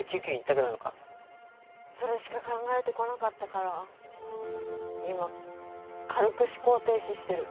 それしか考えてこなかったから今軽く思考停止してる。